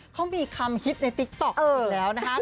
เขามีคำฮิตในติ๊กต๊อกอยู่แล้วนะครับ